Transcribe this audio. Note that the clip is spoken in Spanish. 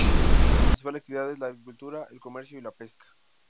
Su principal actividad es la agricultura, el comercio y la pesca.